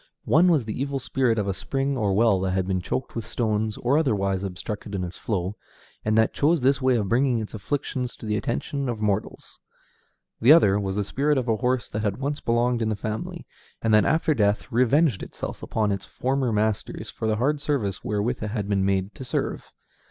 One was the evil spirit of a spring or well that had been choked with stones, or otherwise obstructed in its flow, and that chose this way of bringing its afflictions to the attention of mortals. The other was the spirit of a horse that had once belonged in the family, and that after death revenged itself upon its former masters for the hard service wherewith it had been made to serve.